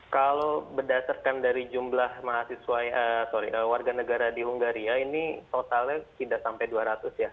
kalau berdasarkan dari jumlah warga negara di hungaria ini totalnya tidak sampai dua ratus ya